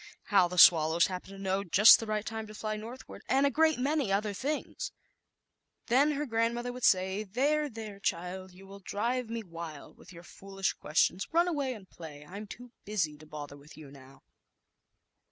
How the swallows happened to know just the right time to fly northward, and a great many other things, then her grandmother would say, " There, there, child, you will drive me wild with your foolish questions, run away and play, I'm too busy to bother with you now."